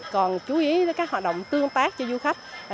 còn chú ý đến các hoạt động tương tác cho du khách